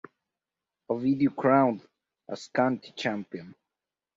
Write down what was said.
Ovidiu crowned as county champion.